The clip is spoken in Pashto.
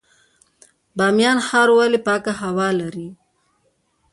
بامیان ښار ولې پاکه هوا لري؟